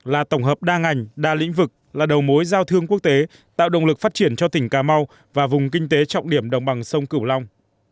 là tổng hợp đa ngành đa lĩnh vực là đầu mối giao thương quốc tế tạo động lực phát triển cho tỉnh cà mau và vùng kinh tế trọng điểm đồng bằng sông cửu long